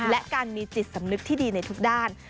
และการมีจิตสำนึกที่ดีในทุกด้าน